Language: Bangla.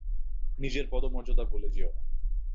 নিজের পদমর্যাদা ভুলে যেও না।